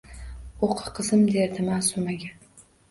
— Oʼqi, qizim! — derdi Maʼsumaga.